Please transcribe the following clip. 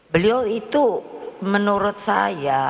beliau itu menurut saya